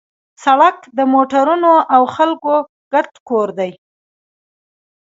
سړک د موټرونو او خلکو ګډ کور دی.